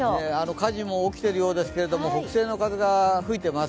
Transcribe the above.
火事も起きているようですけれども北西の風が吹いてます。